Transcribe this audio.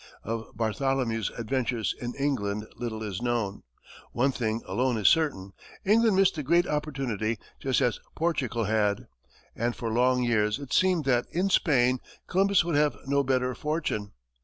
Of Bartholomew's adventures in England little is known. One thing alone is certain England missed the great opportunity just as Portugal had. And for long years it seemed that, in Spain, Columbus would have no better fortune.